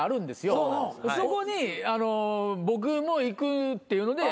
そこに僕も行くっていうので。